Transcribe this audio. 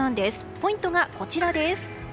ポイントが、こちらです。